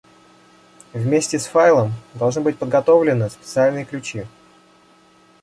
Вместе с файлом должны быть подготовлены специальные ключи